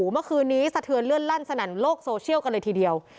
เมื่อคืนนี้สะเทือนเลื่อนลั่นสนั่นโลกโซเชียลกันเลยทีเดียว